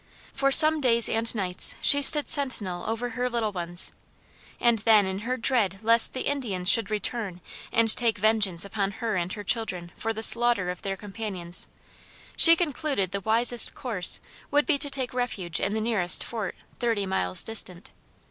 For some days and nights she stood sentinel over her little ones, and then in her dread lest the Indians should return and take vengeance upon her and her children for the slaughter of their companions, she concluded the wisest course would be to take refuge in the nearest fort thirty miles distant.